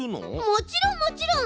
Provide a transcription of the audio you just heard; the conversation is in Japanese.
もちろんもちろん！